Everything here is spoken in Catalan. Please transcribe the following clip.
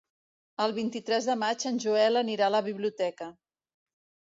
El vint-i-tres de maig en Joel anirà a la biblioteca.